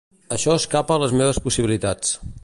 Això escapa a les meves possibilitats.